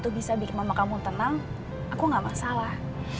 bisa bikin mama kamu tenang aku gak masalah